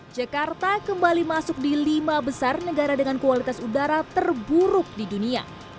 jakarta kembali masuk di lima besar negara dengan kualitas udara terburuk di dunia